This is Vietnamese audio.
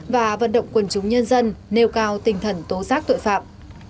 và vận động quân chúng nhân dân nêu cao tinh thần tố giác tội phạm